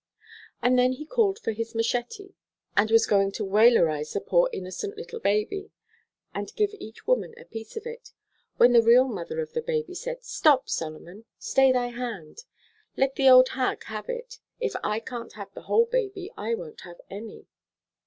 And then he called for his machete and was going to Weylerize the poor innocent little baby, and give each woman a piece of it, when the real mother of the baby said: 'Stop, Solomon; stay thy hand. Let the old hag have it. If I can't have a whole baby I won't have any.'